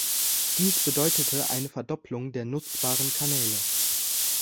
Dies bedeutete eine Verdopplung der nutzbaren Kanäle.